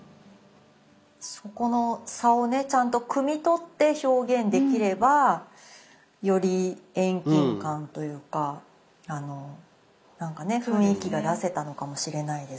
そこの差をねちゃんとくみ取って表現できればより遠近感というかなんかね雰囲気が出せたのかもしれないですね。